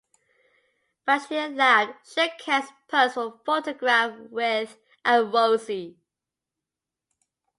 Bachtiar laughed, shook hands and posed for photographs with Amrozi.